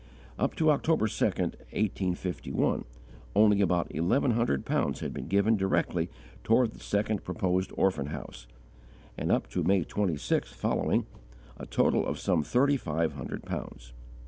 Up to October 2, 1851, only about eleven hundred pounds had been given directly toward the second proposed orphan house, and, up to May 26th following, a total of some thirty five hundred pounds.